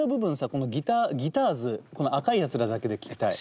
このギターズこの赤いやつらだけで聴きたい。